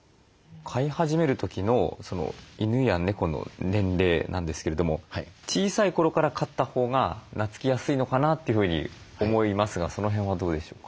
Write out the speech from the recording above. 飼い始める時の犬や猫の年齢なんですけれども小さい頃から飼ったほうがなつきやすいのかなというふうに思いますがその辺はどうでしょうか？